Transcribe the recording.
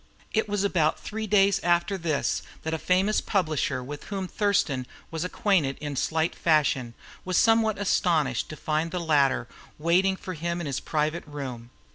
It was about three days after this that a famous publisher, with whom Thurston was acquainted in slight fashion, was somewhat astonished to find the latter waiting for him in his private room.